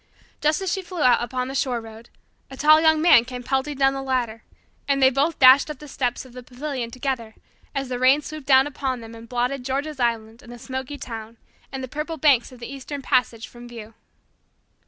Just as she flew out upon the shore road, a tall Young Man came pelting down the latter, and they both dashed up the steps of the pavilion together as the rain swooped down upon them and blotted George's Island and the smoky town and the purple banks of the Eastern Passage from view.